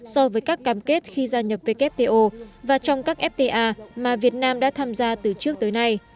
so với các cam kết khi gia nhập wto và trong các fta mà việt nam đã tham gia từ trước tới nay